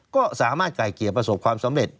ก็สามารถไก่เกลี่ยประสบความสำเร็จ